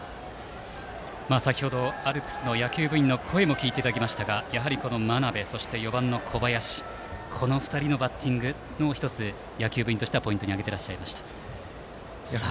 先ほどアルプスの野球部員の声も聞いていただきましたがやはり、真鍋と４番の小林の２人のバッティングを１つ、ポイントとして挙げていらっしゃいました。